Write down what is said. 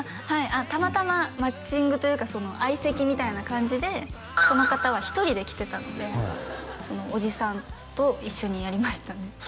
はいたまたまマッチングというかその相席みたいな感じでその方は１人で来てたのでそのおじさんと一緒にやりましたね